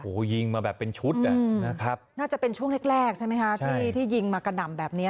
โหยิงมาแบบชุดมันจะเป็นช่วงแรกใช่มั้ยที่ยิงมากะดำ